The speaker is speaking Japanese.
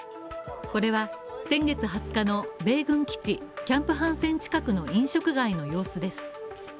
これは先月２０日の米軍基地、キャンプ・ハンセン近くの飲食街の様子です。